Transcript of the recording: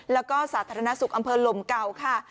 แล้วก็สาธารณสุขอำเภอลมเก่าค่ะ